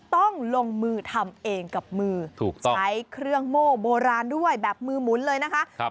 ต้องลงมือทำเองกับมือถูกต้องใช้เครื่องโม่โบราณด้วยแบบมือหมุนเลยนะคะ